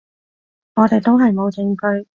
我哋都係冇證據